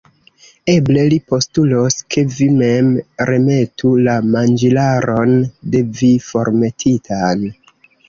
Eble li postulos, ke vi mem remetu la manĝilaron de vi formetitan.